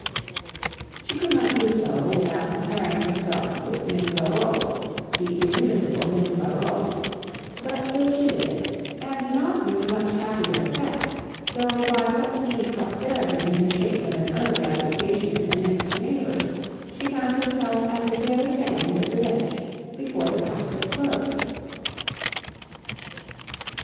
She could not do so, without comparing herself with Miss Larolles, the inimitable Miss Larolles; but still she did it, and not with much happier effect; though by what seemed prosperity in the shape of an early abdication in her next neighbours, she found herself at the very end of the bench before the concert closed.